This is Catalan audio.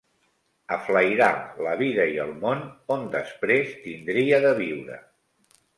A flairar la vida i el món, on després tindria de viure.